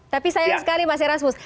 tapi sayang sekali mas erasmus